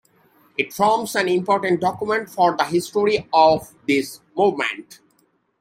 It forms an important document for the history of these movements.